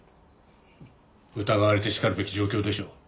疑われてしかるべき状況でしょう。